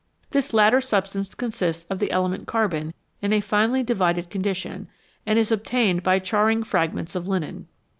This latter substance consists of the element carbon in a finely divided condition, and is obtained by charring fragments of linen.